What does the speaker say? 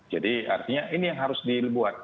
jadi artinya ini yang harus dibuat